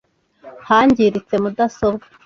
Hangiritse mudasobwa.